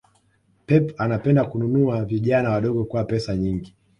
Pep anapenda kununua vijana wadogo kwa pesa nyingi